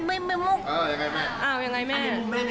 ปุ๊บแม่ในมุมแม่